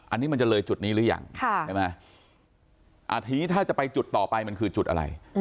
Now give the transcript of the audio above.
อันนี้มันจะเลยจุดนี้หรือยังใช่ไหมทีนี้ถ้าจะไปจุดต่อไปมันคือจุดอะไร